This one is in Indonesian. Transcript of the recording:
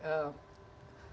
sebenarnya kan ini kita tahu